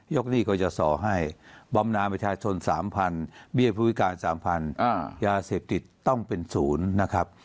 ยกหนี้ก็จะสอให้บำน้าประชาชน๓๐๐๐บียพฤวิการ๓๐๐๐ยาเสพติตต้องเป็น๐นะครับ